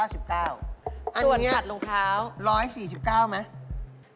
ส่วนขัดรองเท้าอันนี้๑๔๙ไหม